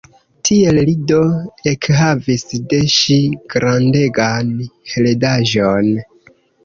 Tiel li do ekhavis de ŝi grandegan heredaĵon.